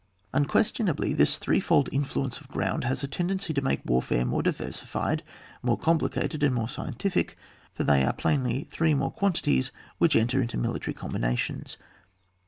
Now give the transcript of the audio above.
Unquestionably this threefold influence of ground has a tendency to make war fare more diversified, more complicated, and more scientific, for they are plainly three more quantities which enter into military combinations.